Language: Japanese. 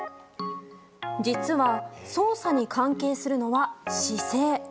実は、操作に関係するのは姿勢。